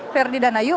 ferdi dan ayu